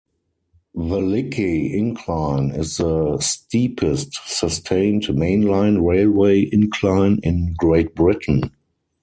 The Lickey Incline is the steepest sustained main-line railway incline in Great Britain.